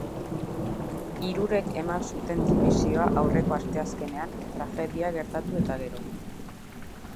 Hirurek eman zuten dimisioa aurreko asteazkenean tragedia gertatu eta gero.